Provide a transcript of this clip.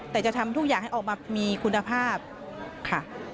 แต่จะทำทุกอย่างให้ออกมามีคุณภาพค่ะ